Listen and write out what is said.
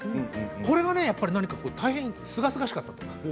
これが大変すがすがしかったと。